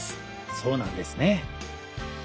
そうなんですね！